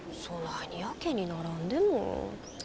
そないにやけにならんでも。